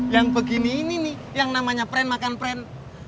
yang begini ini nih yang namanya pren makan pren